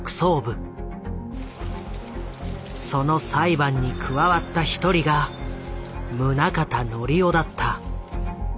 その裁判に加わった一人が宗像紀夫だった。